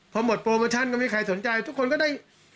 พอหมดโปรโมชั่นก็ไม่มีใครสนใจทุกคนก็ได้